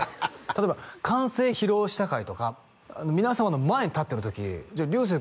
例えば完成披露試写会とか皆様の前に立ってる時じゃあ流星